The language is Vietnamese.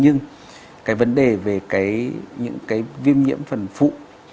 nhưng cái vấn đề về những cái viêm nhiễm phần phụ